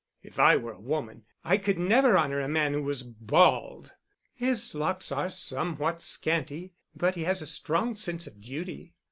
"If I were a woman I could never honour a man who was bald." "His locks are somewhat scanty; but he has a strong sense of duty."